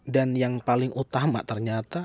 dan yang paling utama ternyata